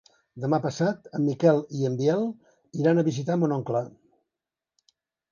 Demà passat en Miquel i en Biel iran a visitar mon oncle.